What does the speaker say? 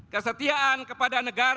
kesetiaan kepada negara